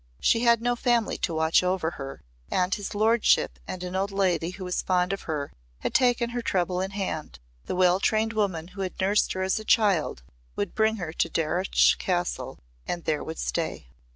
She had no family to watch over her and his lordship and an old lady who was fond of her had taken her trouble in hand. The well trained woman who had nursed her as a child would bring her to Darreuch Castle and there would stay.